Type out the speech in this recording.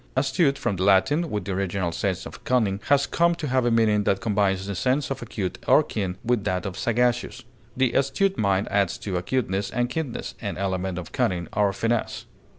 Astute, from the Latin, with the original sense of cunning has come to have a meaning that combines the sense of acute or keen with that of sagacious. The astute mind adds to acuteness and keenness an element of cunning or finesse.